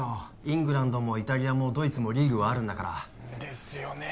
イングランドもイタリアもドイツもリーグはあるんだからですよね